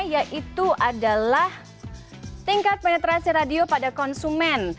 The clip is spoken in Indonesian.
yaitu adalah tingkat penetrasi radio pada konsumen